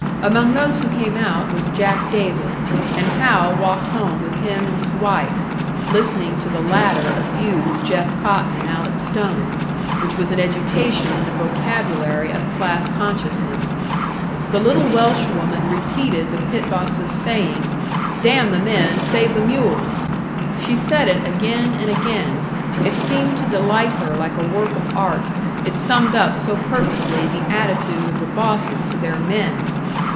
Among those who came out was Jack David, and Hal walked home with him and his wife, listening to the latter abuse Jeff Cotton and Alec Stone, which was an education in the vocabulary of class consciousness. The little Welsh woman repeated the pit boss's saying, "Damn the men, save the mules!" She said it again and again it seemed to delight her like a work of art, it summed up so perfectly the attitude of the bosses to their men!